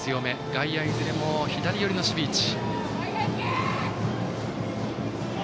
外野、いずれも左寄りの守備位置。